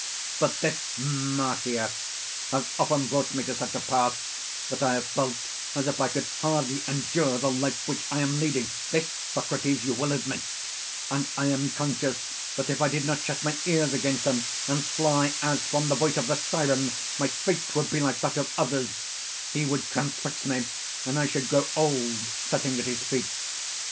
But this Marsyas has often brought me to such a pass, that I have felt as if I could hardly endure the life which I am leading (this, Socrates, you will admit); and I am conscious that if I did not shut my ears against him, and fly as from the voice of the siren, my fate would be like that of others, he would transfix me, and I should grow old sitting at his feet.